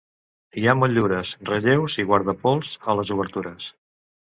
Hi ha motllures, relleus i guardapols a les obertures.